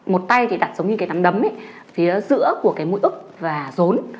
một tay thì đặt giống như cái nắm đấm phía giữa của cái mũi ức và rốn